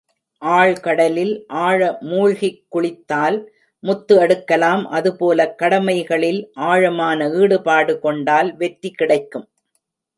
ஆழ்கடலில் ஆழ மூழ்கிக் குளித்தால் முத்து எடுக்கலாம் அதுபோலக் கடமைகளில் ஆழமான ஈடுபாடு கொண்டால் வெற்றி கிடைக்கும்.